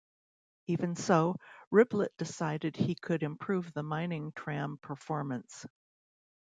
Even so, Riblet decided he could improve the mining tram performance.